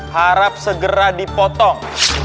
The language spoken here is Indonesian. harap segera dipotong